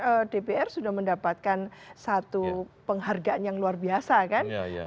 kalau tidak mungkin dpr sudah mendapatkan satu penghargaan yang luar biasa kan